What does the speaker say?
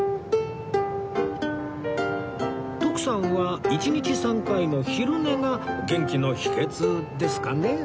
徳さんは１日３回の昼寝が元気の秘訣ですかね？